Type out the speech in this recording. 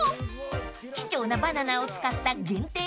［貴重なバナナを使った限定